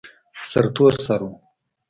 سرتور سر و.